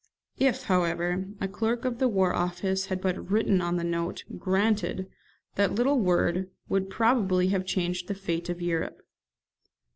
If, however, a clerk of the War Office had but written on the note, "Granted," that little word would probably have changed the fate of Europe.